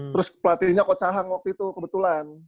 terus pelatihnya kocahang waktu itu kebetulan